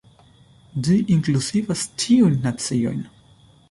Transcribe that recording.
Ĝi inkluzivas ĉiujn naciojn.